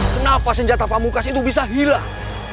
kenapa senjata pamungkas itu bisa hilang